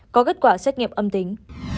có kết quả xét nghiệm âm tính